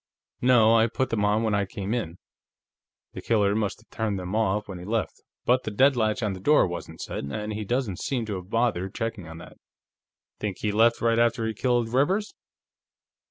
"No; I put them on when I came in. The killer must have turned them off when he left, but the deadlatch on the door wasn't set, and he doesn't seem to have bothered checking on that." "Think he left right after he killed Rivers?"